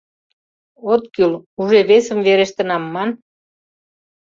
От кӱл, уже весым верештынам, ман.